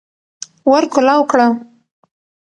ور کولاو کړه